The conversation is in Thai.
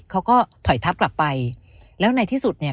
เขาก็ถอยทับกลับไปแล้วในที่สุดเนี่ย